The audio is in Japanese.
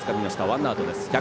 ワンアウトです。